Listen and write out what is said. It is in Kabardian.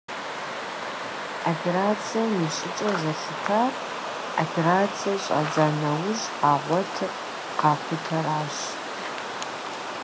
Операцием и щӏыкӏэр зэлъытар, операциер щӏадза нэужь къагъуэтыр, къахутэращ.